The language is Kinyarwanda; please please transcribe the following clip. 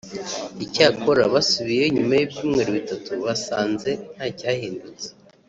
icyakora basubiyeyo nyuma y’ibyumweru bitatu basanze nta cyahindutse